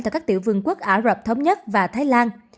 tại các tiểu vương quốc ả rập thống nhất và thái lan